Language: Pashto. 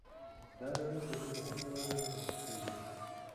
دا لړۍ تر ننه هم روانه ده په پښتو ژبه.